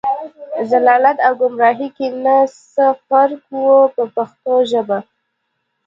ضلالت او ګمراهۍ کې نه څه فرق و په پښتو ژبه.